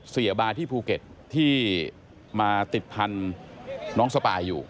เสียบาร์ที่ภูเก็ตที่มาติดพันธุ์น้องสปายอยู่